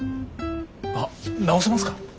あっ直せますか？